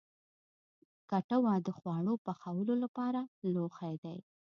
کټوه د خواړو پخولو لپاره لوښی دی